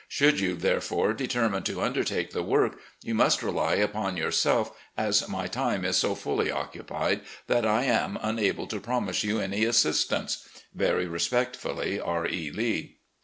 Sho^^ld you, therefore, determine to under take the work, you must rely upon yourself, as my time is so fully occupied that I am unable to promise you any assistance. "Very respectfully, "R. E. Lee."